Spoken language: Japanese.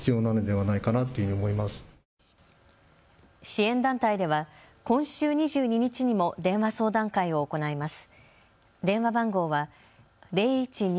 支援団体では今週２２日にも電話相談会を行います。